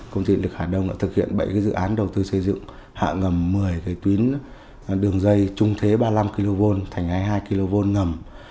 công ty điện lực hà đông đã thực hiện bảy dự án đầu tư xây dựng hạ ngầm một mươi tuyến đường dây trung thế ba mươi năm kv thành hai mươi hai kv ngầm